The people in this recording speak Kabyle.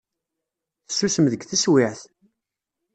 Tessusem deg teswiεt.